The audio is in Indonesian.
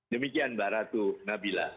demikian mbak ratu nabilah